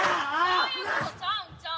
そういうことちゃうんちゃう？